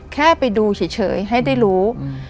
แค่ไปดูเฉยให้ได้รู้